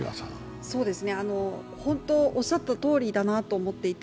おっしゃったとおりだなと思っていて。